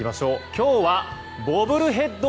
今日はボブルヘッド